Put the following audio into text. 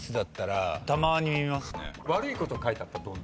悪いこと書いてあったら。